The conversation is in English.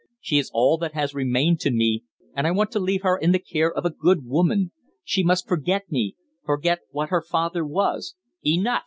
She is all that has remained to me, and I want to leave her in the care of a good woman. She must forget me forget what her father was " "Enough!"